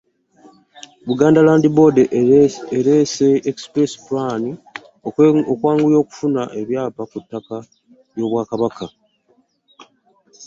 Buganda Land Board ereese 'Express Plan' okwanguya okufuna ebyapa ku ttaka ly'Obwakabaka.